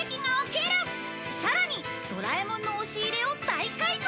さらにドラえもんの押し入れを大改造！